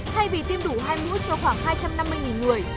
thay vì tiêm đủ hai mũi cho khoảng hai trăm năm mươi người